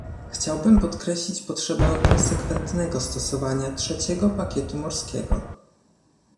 Chciałbym podkreślić potrzebę konsekwentnego stosowania trzeciego pakietu morskiego